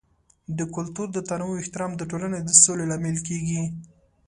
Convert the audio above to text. د کلتور د تنوع احترام د ټولنې د سولې لامل کیږي.